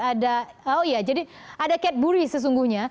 ada oh iya jadi ada kat buri sesungguhnya